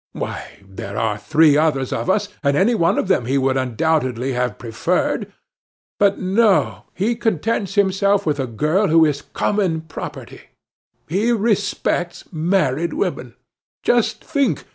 Why, there were three others of us, any one of whom he would undoubtedly have preferred. But no, he contents himself with the girl who is common property. He respects married women. Just think.